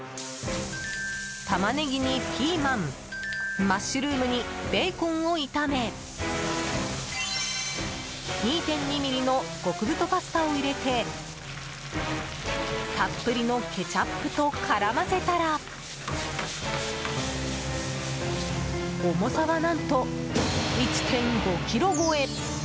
タマネギにピーマンマッシュルームにベーコンを炒め２．２ｍｍの極太パスタを入れてたっぷりのケチャップと絡ませたら重さは、何と１．５ｋｇ超え。